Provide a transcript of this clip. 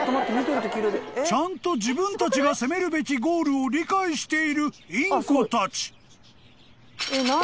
［ちゃんと自分たちが攻めるべきゴールを理解しているインコたち］